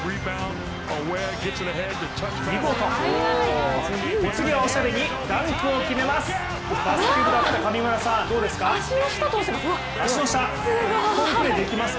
見事、お次はおしゃれにダンクを決めます。